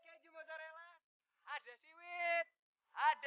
iya nanti kita coba cari ke rumah temennya ya